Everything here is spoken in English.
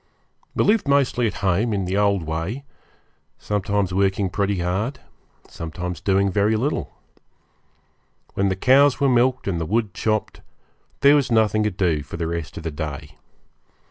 We lived mostly at home, in the old way; sometimes working pretty hard, sometimes doing very little. When the cows were milked and the wood chopped, there was nothing to do for the rest of the day.